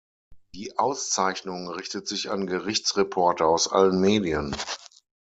Die Auszeichnung richtet sich an Gerichtsreporter aus allen Medien.